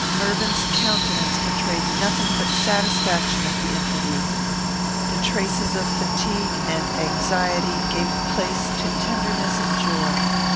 Mervyn's countenance betrayed nothing but satisfaction at the interview. The traces of fatigue and anxiety gave place to tenderness and joy.